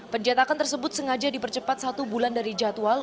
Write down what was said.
pencetakan tersebut sengaja dipercepat satu bulan dari jadwal